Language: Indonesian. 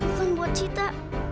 bukan buat sita